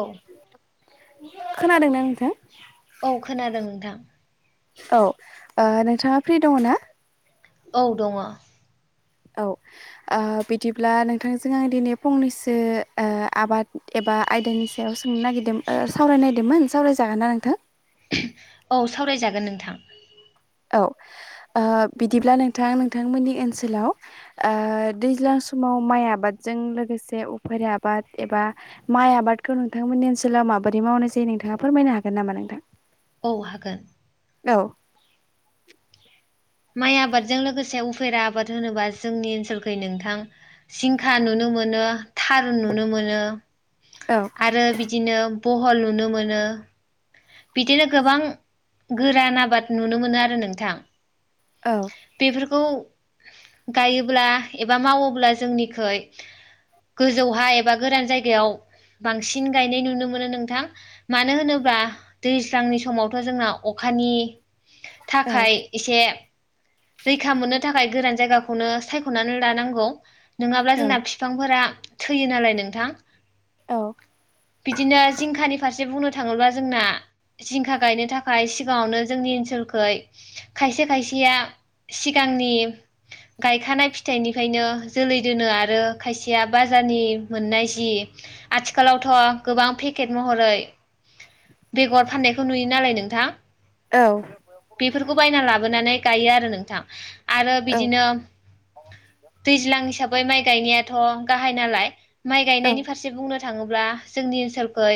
औ खोनादोंना नोंथां औ खोनादों नोंथां औ ओ नोंथाङा फ्रि दङ ना औ दङ औ ओ बिदिब्ला नोंथांजों आं दिनै फंनैसो ओ आबाद ए बा आयदानि सायाव सोंनो नागिरदों सावरायनायदोंमोन सावरायजागोन ना नोंथां। औ सावरायजागोन नोंथां औ ओ बिदिब्ला नोंथां नोंथांमोननि ओनसोलाव ओ दैज्लां समाव माइ आबादजों लोगोसे उफेरा आबाद एबा माइ आबादखौ नोंथांमोननि ओनसोलाव माबोरै मावनाय जायो नोंथाङा फोरमायनो हागोन नामा नोंथां औ हागोन औ माइ आबादजों लोगोसे उफेरा आबाद होनोबा जोंनि ओनसोलखै नोंथां जिंखा नुनो मोन नो‌ थारुन नुनो मोनो। औ आरो बिदिनो बहल नुनो मोनो। बिदिनो गोबां गोरान आबाद नुनो मोनो आरो नोंथां औ खौ गायोब्ला एबा मावोब्ला जोंनिखै गोजौहाय एबा गोरान जायगायाव बांसिन गायनाय नुनो मोनो नोंथां मानो होनोबा दैज्लांनि समावथ' जोंना अखानि औ थाखाय एसे रैखा मोननो थाखाय गोरान जायगाखौनो सायख'नानै लानांगौ। नङाब्ला औ जोंना बिफांफोरा थैयो नालाय नोंथां बिदिनो जिंखानि फारसे बुंनो थाङोब्ला जोंना जिंखा गायनो थाखाय सिगाङावनो जोंनि ओनसोलखै खायसे खायसेया सिगांनि गायखानाय फिथाइनिफायनो जोलै दोनो आरो खायसेया बाजारनि मोननाय जि आथिखालावथ' गोबां पेकेट महरै बेगर फाननायखौ नुयो नालाय नोंथां औ। बेफोरखौ बायना लाबोनानै गायो आरो नोंथां आरो औ बिदिनो दैज्लां हिसाबै माइ गायनायाथ' गाहाय नालाय माइ औ गायनायनि फारसे बुंनो था थाङोब्ला जोंनि ओनसोलखौ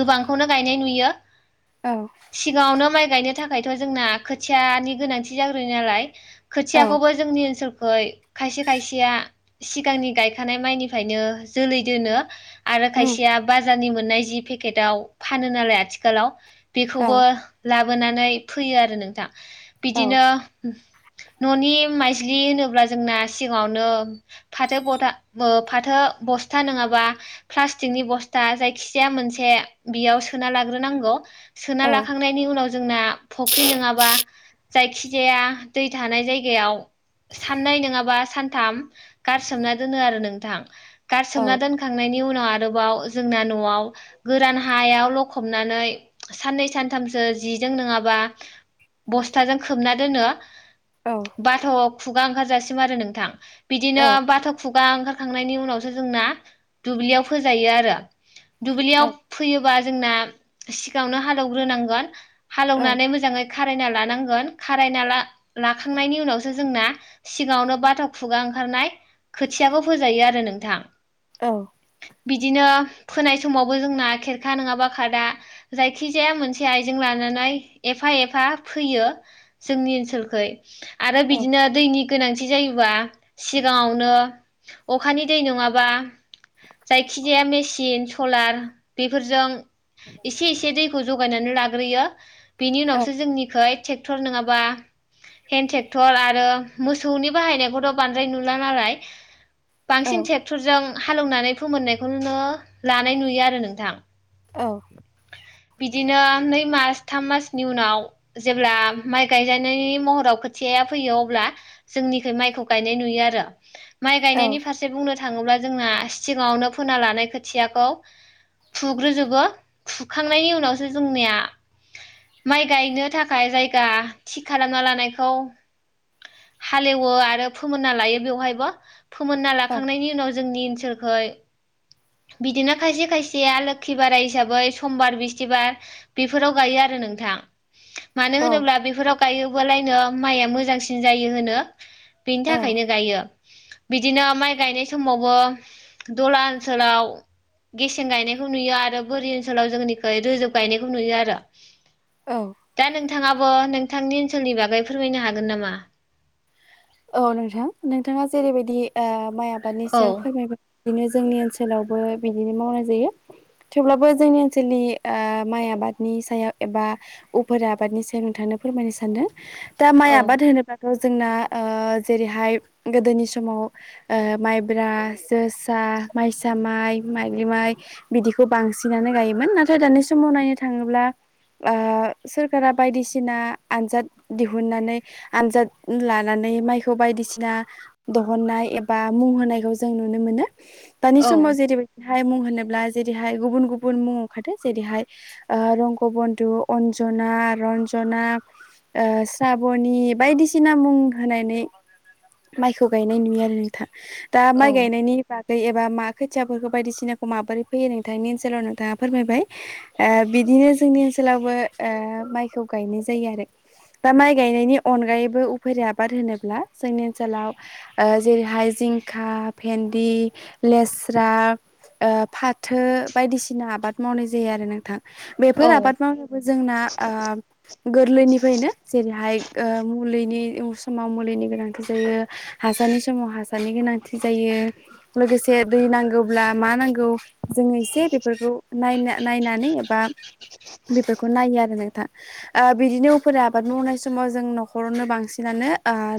गोबांखौनो गायनाय नुयो। औ। सिगाङावनो माइ गायनो थाखायथ' जोंना खोथियानि गोनांथि जाग्रो नालाय औ खोथियाखौबो जोंनि ओनसोल खै खायसे खायसेया सिगांनि गायखानाय माइनिफ्रायनो जोलै दोनो। आरो उम खायसेया बाजारनि मोननाय जि पेकेटाव फानो नालाय आथिखालाव बेखौबो औ लाबोनानै फोयो आरो नोंथां औ बिदिनो न'नि माइज्लि होनोब्ला जोंना सिगाङावनो फाथो गथा ओ फाथो बस्था नङाबा प्लाटिकनि बस्था जायखि जाया मोनसे बेयाव सोना लाग्रोनांगौ सोना औ लाखांनाय जोंना फुख्रि नोङाबा जायखिजाया दै थानाय जायगायाव साननाय नोङाबा सानथाम गारसोमना दोनो आरो नोंथां औ गारसोमना औ दोनखांनायनि उनाव आरोबाव जोंना न'आव गोरान हायाव लखबनानै साननै सान थामसो जिजों नङाबा बस्थाजों खोबना दोनो औ बाथ' खुगा ओंखारजासिम आरो नोंथां बिदिनो औ औ बाथ' खु गा ओंखारखांनायनि उनावसो जोंना दुब्लियाव फोजायो आरो दुब्लियाव औ फो बा जोंशा सिगाङावनो हालौवग्रोनांगोन औ हालेवनानै मोजाङै खारायना लानांगोन खारायना ला लाखांनायनि उनावसो जोंना सिगाङावनो बाथ' खुगा ओं खारनाय खोथियाबो फोजायो आरो नोंथां औ। बिदिनो फोनाय समावबो जोंना खेरखा नङाबा खादा जायखिजाया मोन से आइजों लानानै एफा एफा फोयो जोंनि ओनसोलखै आरो औ बिदिनो दैनि गोनांथि जायोबा सिगाङावनो अखानि दै नङाबा जायखिजाया मेसिन सलार बेफोरजों एसे एसे दैखौ जगायनानै लाग्रोयो बेनि उनावसो जोंनिखै टेक क्टर नङाबा हेन्द ट्रेक्टर आरो मोसौनि बाहायनायखौथ' बांद्राय नुला नालाय बांसिन ट्रेक्टरजों हालौनानै फोमोननायखौनो लानाय नुयो आरो नोंथां औ। बिदिनो नै मास थाम मासनि उनाव जेब्ला माइ गायजानायनि महराव खोथियाया फैयो अब्ला जोंनिखौ माइखौ गायनाय नुयो आरो माइ औ गायनायनि फारसे बुंनो थाङोब्ला जोंना सिगाङावनो फोना लानाय खोथियाखौ फुग्रोजोबो फुखांनायनि उनावसो जोंनिया माइ गायनो थाखाय जायगा थि खालामना लानायखौ हालेवो आरो फोमोनना लायो बेवहायबो फोमोनना लाखांनायनि उनाव जोंनि ओनसोलखै बिदिनो खायसे खायसेया लोखि बाराय हिसाबै समबार बिस्थिबार बेफोराव गायो आरो नोंथां मानो होनोब्ला बेफोराव गायोबालायनो माइआ मोजांसिन जायो होनो बेनि औ थाखायनो गायो बिदिनो माइ गायनाय समावबो दलाल ओनसोलाव गेसें गायनायखौ नुयो आरो बोरि ओनसोलाव जोंनिख रोजोब गायनायखौ नुयो आरो। औ। दा नोंथाङाबो नोंथांनि ओनसोलनि बागै फोरमायनो हागोन नामा? औ नोंथां नोंथाङा जेरैबायदि माइ आबादनि औ सायाव फोरमायबाय। बिदिनो जोंनि ओनसोलावबो बिदिनो मावनाय जायो। थेवब्लाबो जोंनि ओनसोलनि माइ आबादनि सायाव एबा उफोरा आबादनि सायाव नोंथां फोरमायनो सानदों दा माइ औ आबाद होनोब्लााथ' जोंना ओ जेरैहाय गोदोनि समाव माइब्रा, जोसा, माइसालि माइ माइलि माइ बिदिखौ बांसिनानो गायोमोन नाथाय दानि समाव नायनो थाङोब्ला ओ सोरखारा बायदिसिना आनजाद दिहुननानै आनजाद लानो लानानै माइखौ बायदिसिना दहननाय एबा मुं होनायखौ जों नुनो मोनो। दानि औ समाव जेरैबायदि मुं होनोब्ला जेरैहाय गुबुन गुबुन मुं ओंखारो जेरैहाय रंगबन रना रनजना ओ साबनि बायदिसिना मुं होनानै माइखौ गायनाय नुयो आरो नोंथाङ दा माइ औ गायनायनि बाद एबा मा खोथियाफोरखौ बायदिसिनाखौ माबोरै फैयो नोंथांनि ओनसोलाव नोंथाङा फोरमायबाय बि बिदिनो जोंनि ओनसोलावबो माइखौ गायनाय जायो आरो। दा माइ गायनायनि अनगायैबो उफेरा आबाद होनोब्ला जोंनि ओनसोलाव जेरैहाय जिंखा भेन्दि लेस हास्रा फाथो बायदिसिना आबाद मावनाय जायो आरो नोंथां। औ बेफोर आबाद मावनायबो जोंना ओ गोरलैनिफ्रायनो जेरैहाय मुलिनि मुलिनि समाव मुलिनि गोनांथि जायो हासारनि समाव हासारनि गोनांथि जायो लोगोसे दै नांगौब्ला मा नांगौ जोङो एसे बेफोरखौ नायनो नायनानै एबा बेफोरखौ नायो आरो नोंथां। बिदिनो उफेरा आबाद मावनाय समाव जों न'खरावनो बांसिनानो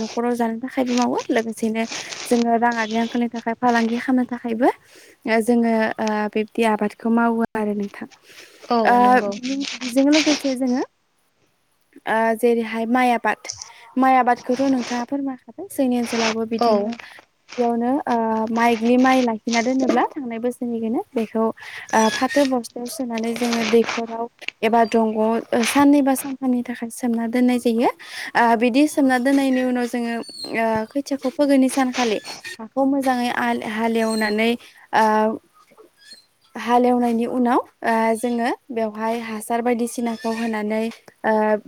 न'खराव जानो थाखायबो मावो लोगोसेनो जोङो राङ आरनि आंखालनि थाखाय फालांगि खालामनो थाखायबो जोङो बिबदि आबादखौ मावो आरो नोंथां। औ ओ नंगौ बेजों लोगोसे जोङो जेरैहाय माइ आबाद माइ आबादखौथ' नोंथाङा फोरमायखाबाय जोंनि ओनसोल जलाबो औ बिदिनो बेयावनो माइग्लि माइ लाखिना दोनोब्ला थांनाय बोसोरनिखौनो बेखौ फाथो बस्था होनानै जोङो दैखराव एबा दंग'आव साननैबा सानथामनि थाखाय सोमना दोननाय जायो। आ बिदि सोमना दोननायनि उनाव जोङो खैथियाखौ फुोगोैनि सानखालि हाखौ मोजाङै हा एवनानै ओ [unintelligible] हालेवनायनि उनाव जोङो बेवहाय हासार बायदिसिनाखौ होनानै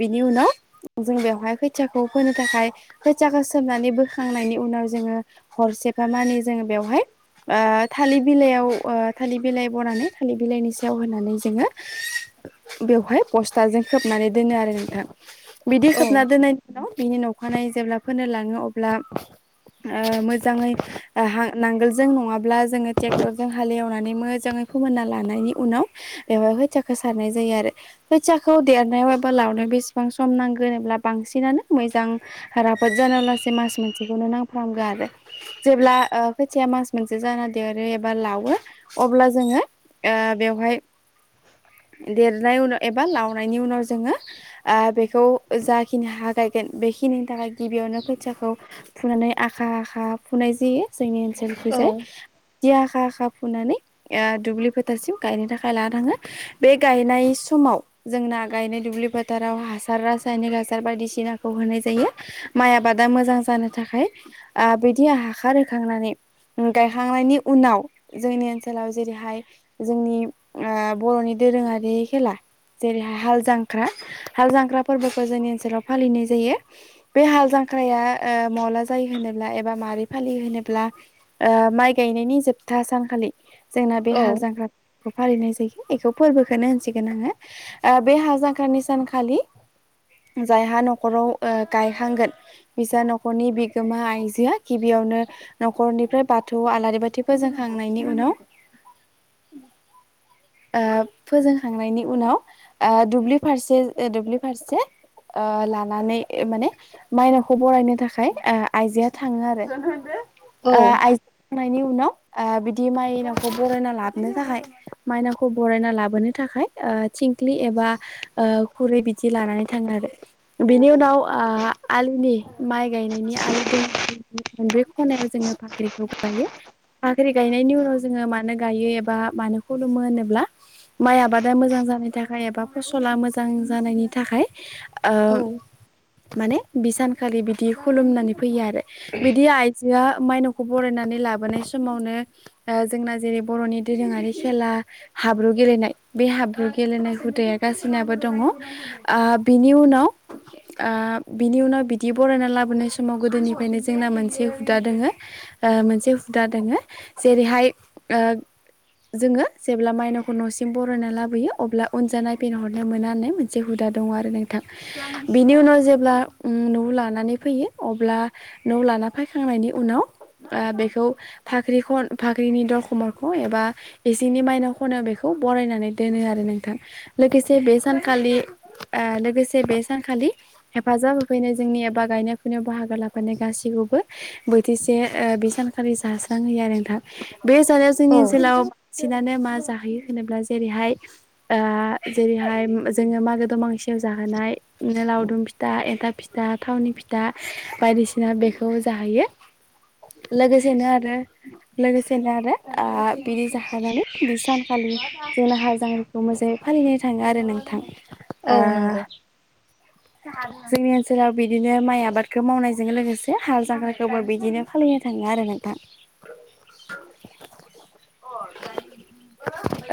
बिनि उनाव जों बेयावहाय खैथिया खौ फोनो थाखाय खोथियाखौ सोमनानै बोखांनायनि उनाव जोङो हरसेफा मानि जोङो बेवहाय ओ थालिर बिलाइयाव थालिर बिलाइ बनानै थालिर बिलाइनि सायाव होनानै जोङो बेवहाय बस्थाजों खोबनानै दोनो आरो नोंथां बिदि औ खोबना दोननाय बिनि अ'खानायै जेब्ला फोरोनो लाङो अब्ला मोजाङै नांगोलजों नङाब्ला जोङो ट्रेक्टरजों हालेवनानै मोजाङै फोमोनना लानायनि उनाव बेवहाय खोथियाखौ सारनाय जायो आरो खोथियाखौ देरनायाव एबा लावनाय बेसेबां सम नांगोन होनोब्ला बांसिनानो मोजां राफोद जाना ला मास मोनसेखौनो नांफ्रामगोन आरो जेब्ला खोथिया मास मोनसे जाना देरो एबा लावो अब्ला जोङो देरनाय उनाव एबा लावनायनि उनाव जोङो बेखौ जाखिनि हा गायगोन बेखिनिनि थाखाय गिबियावनो खोथियाखौ फुनानै आखा आखा फुनाय जायो जोंनि औ ओन्सोलखैजाय बिदि आखा आखा फुनानै दुब्लि ओ फोथारसिम गायनो थाखाय लाना थाङो बे गायनाय समाव जों ना गायनाय दुब्लि फोथाराव हासार रासायनिक हासार बायदिसिना नाखौ होनाय जायो माइ आबादा मोजां जानो थाखाय ओ बिदि हाखार होखांनानै गायखांनायनि उनाव जोंनि ओनसोलाव जेरैहाय जोंनि ओ बर'नि दोरोङारि खेला जेरैहाय हाल जांख्रा हाल जांख्रा फोरबोखौ जोंनि ओनसोलाव फालिनाय जायो बे हाल जांख्राया ओ मला जायो होनोब्ला एबा मारै फालियो होनोब्ला ओ माइ गायनायनि जोबथा सानखालि जोंना बे औ हाल जांख्रा फालिनाय जायो इखौ फोरबोखौनो होनसिगोन आङो ओ बे हालजांख्रानि सानखालि [inaudible] जायहा न'खराव ओ गायहांगोन बिसा न'खरनि बिगोमा आइजोआ गिबियावनो न'खरनिफ्राय बाथौआव आलारि बाथिखौ फोजों ओंखांनायनि उनाव [inaudible] ओ फोजोंखांनायनि उनाव ओ दुब्लि फारसे ओ दुब्लि फारसे ओ लानानै माने माइनावखौ बरायनो थाखाय ओ आइजोआ थाङो आरो औ आइज [unintelligible] नायनि उनाव ओ बिदि माइनांखौ बरायना लाबोनो थाखाय माइनांखौ बरायना लाबोनो थाखाय ओ थि थिंख्लि एबा ओ खुरै बिदि लानानै थाङो आरो बेनि उनाव आ आलिनि माइ गायनायनि आलिदों [unintelligible] मोनब्रै खना जोङो भाक्रिखौ गाइयो बाख्रि गायनायनि उनाव जोङो मानो गाइयो एबा मानो खुलुमो होनोब्ला माइ आबादा मोजां जानायनि थाखाय एबा फसला मोजां जानायनि थाखाय औ ओ माने बि सानखालि बिदि खुलुमनानै फैयो आरो बिदि आइजोआ माइनावखौ बरायनानै लाबोनाय समावनो ओ जोंना जेरै बर'नि दोरोङारि खेला हाब्रु गेलेनाय बे हाब्रु गेलेनाय हुदाया गासिनाबो दङ ओ बिनि उनाव ओ बिनि उनाव बिदि बरायना लाबोनाय समाव गोदोनिफ्रायनो जोंना मोनसे हुदा दोङो ओ मोनसे हुदा दोङो जेरैहाय ओ जोङो जेब्ला मायनावखौ न'सिम बरायना लाबोयो अब्ला उनजा नायफिनहरनो मोनानो मोनसे हुदा दङ आरो नोंथां बिनि उनाव जेब्ला उम न'आव लानानै फैयो अब्ला न'आव लाना फायखांनायनि उनाव ओ बेखौ भाख्रि खन भाख्रिनि दरखं मोखाङाव एबा इसिंनि माइनाव ख'नायाव बेखौ बरायनानै दोनो आरो नोंथां लोगोसे बे सानखालि लोगोसे बे सानखालि हेफाजाब होफैनाय जोंनि एबा गायनाय फुनायाव बाहागो लाफैनाय गासैखौबो बोथिसे ओ बे सानखालि जास्रांहोयो आरो नोंथां बे जानायाव औ जोंनि ओनसोलाव बांसिनानो मा जा होयो होनोब्ला जेरैहाय ओ जेरैहाय जोङो मागो दमासियाव जाहो हानायनो लावदुम फिथा एन्थाब फिथा थावनि फिथा बायदिसिना बेखौ जाहैयो यो लोगोसेनो आरो लोगोसेनो आरो आ बिदि जाहोनानै बि सानखालि जोंना हालजांख्राखौ मोजां फालिनो थाङो आरो नों औ नंगौ जोंनि ओनसोलाव बिदिनो माइ आबादखौ मावनायजों लोगोसे हाल जांख्राखौबो बिदिनो फालिनो था थाङो आरो नोंथां [inaudible]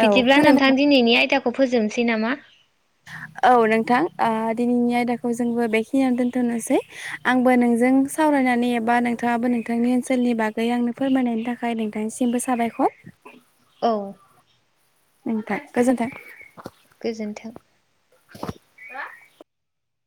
औ बिदिब्ला नोंथां खोनादों दिनैनि आयदाखौ फोजोबनोसै नामा। औ नोंथां ओ दिनैनि आयदाखौ जोंबो बेखिनियावनो दोनथ'नोसै आंबो नोंजों साव रायनानै एबा नोंथाङाबो नोंथांनि ओनसोलनि बागै आंनो फोरमायनायनि थाखाय नोंथांनिसिमबो साबायखर। औ नोंथां गोजोन्थों। गोजोन्थों।